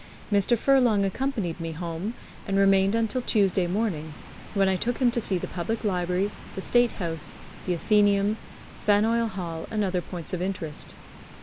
Mr. Furlong accompanied me home, and remained until Tuesday morning, when I took him to see the Public Library, the State House, the Athenaeum, Faneuil Hall, and other points of interest.